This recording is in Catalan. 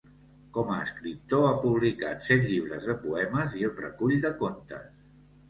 Com a escriptor ha publicat set llibres de poemes i un recull de contes.